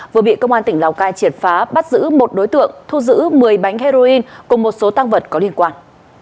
vừa bị công an tỉnh lào cai triệt phá bắt giữ một đối tượng thu giữ một mươi bánh heroin cùng một số tăng vật có liên quan